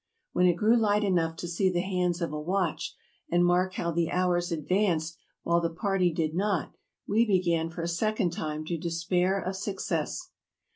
When it grew light enough to see the hands of a watch, and mark how the hours advanced while the party did not, we began for a second time to despair of success.